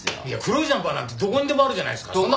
いや黒いジャンパーなんてどこにでもあるじゃないですか。